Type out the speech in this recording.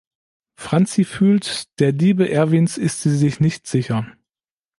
Franzi fühlt, der Liebe Erwins ist sie sich nicht sicher.